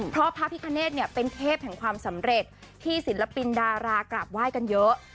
เพราะพระพิคเนธเป็นเทพแห่งความสำเร็จที่ศิลปินดารากราบไหว้กันเยอะ